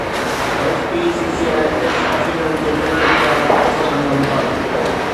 F P C C I tax آفيسرن کي ڏنل اختيار واپس وٺڻ جو مطالبو